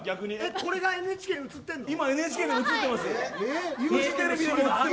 これがＮＨＫに映ってます。